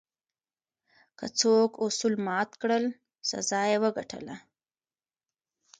که څوک اصول مات کړل، سزا یې وګټله.